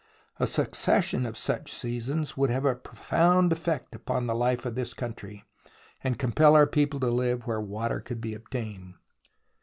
A succession of such seasons would have a profound effect on the life of this country, and compel our people to live where water could be obtained.